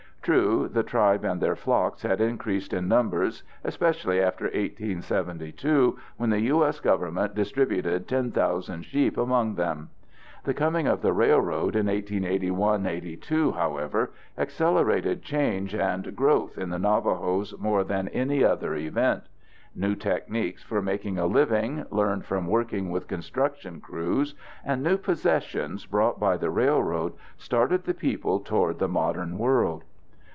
True, the tribe and their flocks had increased in numbers especially after 1872, when the U.S. Government distributed 10,000 sheep among them. The coming of the railroad in 1881 82, however, accelerated change and growth in the Navajos more than any other event. New techniques for making a living, learned from working with construction crews, and new possessions brought by the railroad, started the people toward the modern world.